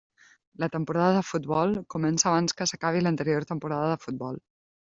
La temporada de futbol comença abans que s'acabi l'anterior temporada de futbol.